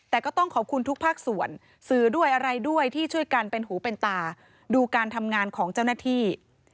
แต่ก็ต้องขอบคุณทุกภาคส่วนสื่อด้วยอะไรด้วยที่ช่วยกันเป็นหูเป็นตาดูการทำงานของเจ้าหน้าที่